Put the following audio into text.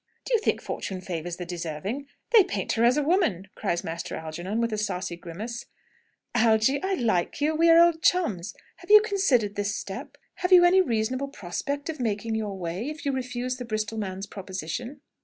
"Do you think fortune favours the deserving? They paint her as a woman!" cries Master Algernon, with a saucy grimace. "Algy, I like you. We are old chums. Have you considered this step? Have you any reasonable prospect of making your way, if you refuse the Bristol man's proposition."